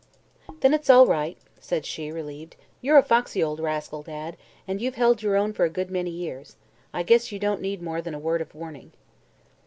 "Then it's all right," said she, relieved. "You're a foxy old rascal, Dad, and you've held your own for a good many years. I guess you don't need more than a word of warning."